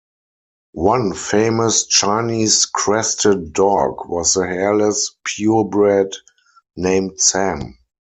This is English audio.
One famous Chinese crested dog was the hairless purebred named Sam.